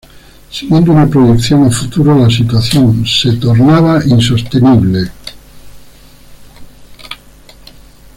Siguiendo una proyección a futuro la situación se tornaba insostenible.